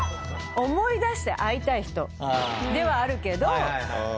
思い出して会いたい人ではあるけど。